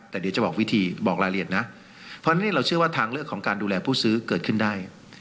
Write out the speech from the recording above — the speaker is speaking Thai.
แต่เดี๋ยวจะบอกวิธีบอกรายละเอียดนะเพราะฉะนั้นเราเชื่อว่าทางเลือกของการดูแลผู้ซื้อเกิดขึ้นได้